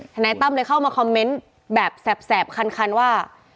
ธันายต้ำเข้ามาแสบคานว่า